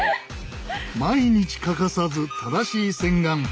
毎日欠かさず正しい洗顔。